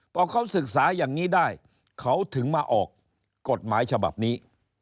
พอเขาศึกษาอย่างนี้ได้เขาถึงมาออกกฎหมายฉบับนี้